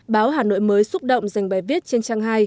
báo hà nội mới xúc động dành bài viết trên trang hai